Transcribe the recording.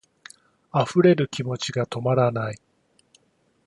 溢れる気持ちが止まらない